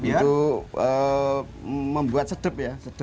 untuk membuat sedap ya